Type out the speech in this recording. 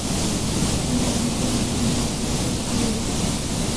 Monumento nacional de Scotts Bluff